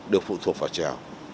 đều phụ thuộc vào trèo